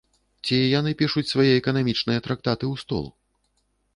Ці яны пішуць свае эканамічныя трактаты ў стол?